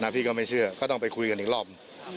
พี่ก็ไม่เชื่อก็ต้องไปคุยกันอีกรอบ